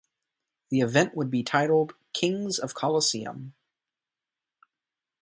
The event would be titled "Kings of Colosseum".